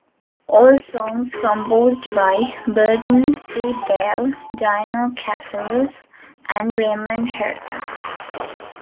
All songs composed by Burton C. Bell, Dino Cazares and Raymond Herrera.